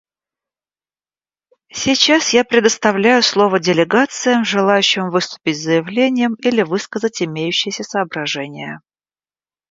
Сейчас я предоставляю слово делегациям, желающим выступить с заявлением или высказать имеющиеся соображения.